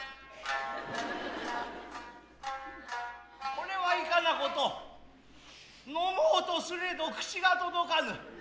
是れはいかな事呑もうとすれど口が届かぬ。